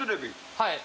はい。